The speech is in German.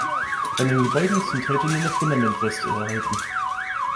Von den Gebäuden sind heute nur noch Fundamentreste erhalten.